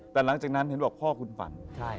แต่หลังจากนั้นเห็นบอกพ่อคุณฝัน